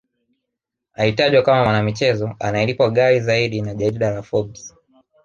alitajwa kama mwanamichezo anayelipwa ghali Zaidi na jarida la forbes